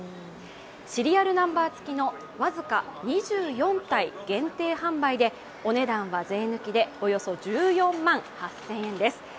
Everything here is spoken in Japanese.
シリアルナンバーつきの僅か２４体限定販売でお値段は税抜きで、およそ１４万８０００円です。